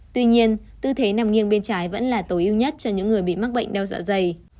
tuy nhiên tư thế nằm nghiêng bên trái vẫn là tối ưu nhất cho những người bị mắc bệnh đau dạ dày